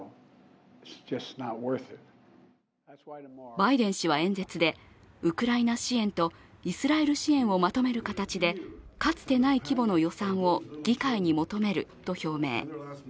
バイデン氏は演説で、ウクライナ支援とイスラエル支援をまとめる形でかつてない規模の予算を議会に求めると表明。